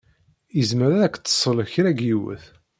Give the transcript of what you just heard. Izmer ad ak-d-tsel kra n yiwet.